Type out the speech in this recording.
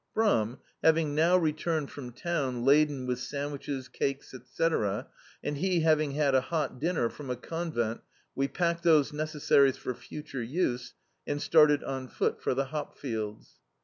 Brum, having now returned from town laden with sandwiches, cakes, etc., and he having had a hot dinner from a convent we packed those necessaries for future use, and started on foot for the hopUelds.